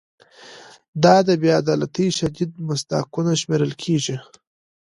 دا د بې عدالتۍ شدید مصداقونه شمېرل کیږي.